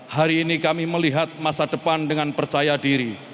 hari ini kami melihat masa depan dengan percaya diri